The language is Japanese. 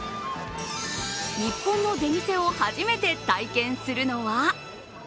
日本の出店を初めて体験するのは？